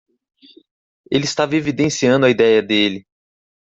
Ele estava evidenciando a idéia dele.